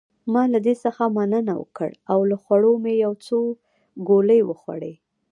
ما له دې څخه مننه وکړ او له خوړو مې یو څو ګولې وخوړې.